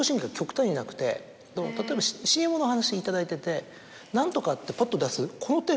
例えばＣＭのお話頂いてて「何とか」ってぽっと出す。